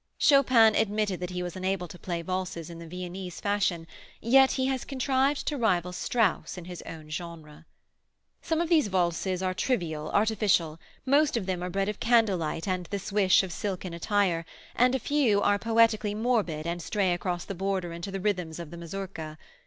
Chopin admitted that he was unable to play valses in the Viennese fashion, yet he has contrived to rival Strauss in his own genre. Some of these valses are trivial, artificial, most of them are bred of candlelight and the swish of silken attire, and a few are poetically morbid and stray across the border into the rhythms of the mazurka.